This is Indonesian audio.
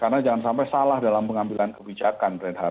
karena jangan sampai salah dalam pengambilan kebijakan